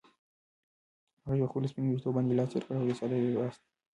هغې په خپلو سپینو ویښتو باندې لاس تېر کړ او یوه ساه یې واخیسته.